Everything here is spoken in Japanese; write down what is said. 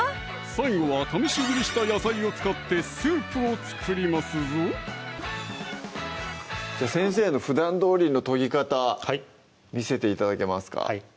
最後は試し切りした野菜を使ってスープを作りますぞ先生のふだんどおりの研ぎ方見せて頂けますか？